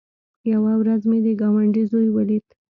يوه ورځ مې د گاونډي زوى وليد.